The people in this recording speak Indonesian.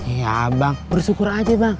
iya bang bersyukur aja bang